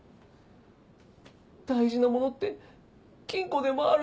大事なものって金庫でもあるんですかね？